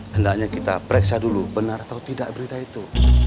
hendaknya kita periksa dulu benar atau tidak berita itu